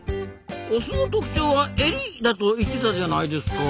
オスの特徴はエリだと言ってたじゃないですか。